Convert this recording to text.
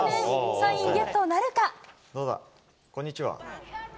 サインゲットなるか？